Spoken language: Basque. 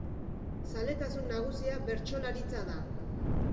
Zaletasun nagusia bertsolaritza da.